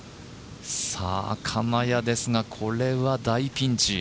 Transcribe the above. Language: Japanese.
金谷ですが、これは大ピンチ。